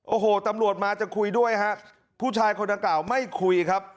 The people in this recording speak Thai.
โอ้โหตำรวจมาจะคุยด้วยฮะผู้ชายคนดังกล่าวไม่คุยครับ